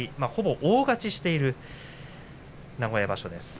大勝ちしている名古屋場所です。